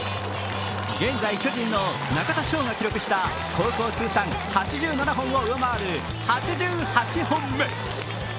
現在、巨人の中田翔が記録した高校通算８７本を上回る８８本目。